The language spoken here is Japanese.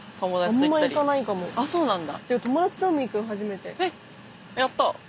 あっそうなんだ。